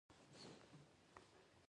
زه اوس د ملک صاحب د ستونزې تل ته ورسېدلم.